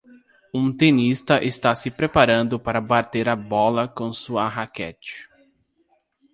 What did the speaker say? Um tenista está se preparando para bater a bola com sua raquete